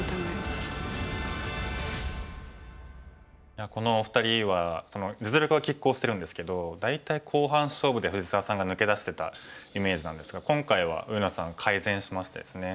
いやこのお二人は実力はきっ抗してるんですけど大体後半勝負で藤沢さんが抜け出してたイメージなんですが今回は上野さん改善しましてですね